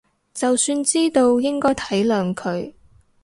就算知道應該體諒佢